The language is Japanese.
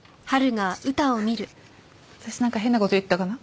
私なんか変な事言ったかな？